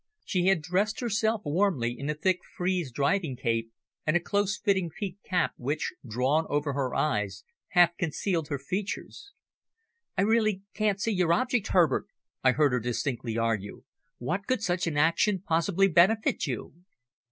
She had dressed herself warmly in a thick frieze driving cape and a close fitting peaked cap which, drawn over her eyes, half concealed her features. "I really can't see your object, Herbert," I heard her distinctly argue. "What could such an action possibly benefit you?"